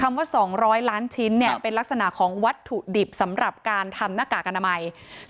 ว่า๒๐๐ล้านชิ้นเนี่ยเป็นลักษณะของวัตถุดิบสำหรับการทำหน้ากากอนามัย